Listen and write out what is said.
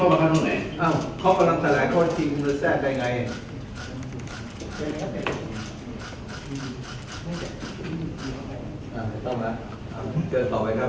อ่าวเจอกต่อไปครับ